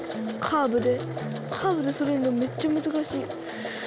カーブでそろえるのめっちゃ難しい。